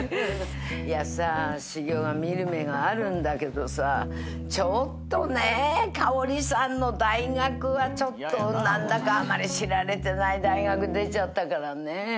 いやさシゲオは見る目があるんだけどさちょっとね香織さんの大学はちょっと何だかあんまり知られてない大学出ちゃったからね。